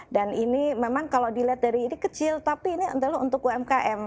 dan ini memang kalau dilihat dari ini kecil tapi ini untuk umkm